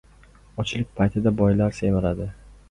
• Ochlik paytida boylar semiradi.